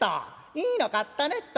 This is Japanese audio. いいの買ったねっと」。